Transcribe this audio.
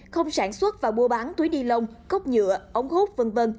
không sản xuất và mua bán túi ni lông cốc nhựa ống hút v v